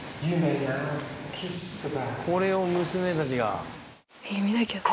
これを娘たちが。